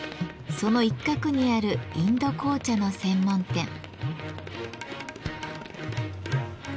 その一角にあるインド紅茶の専門店。